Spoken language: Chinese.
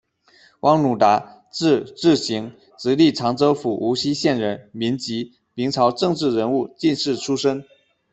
汪汝达，字志行，直隶常州府无锡县人，民籍，明朝政治人物、进士出身。